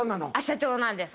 社長なんですけど。